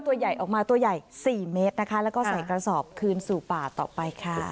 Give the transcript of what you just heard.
ตัวใหญ่ออกมาตัวใหญ่๔เมตรนะคะแล้วก็ใส่กระสอบคืนสู่ป่าต่อไปค่ะ